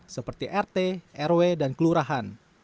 seperti rt rw dan kelurahan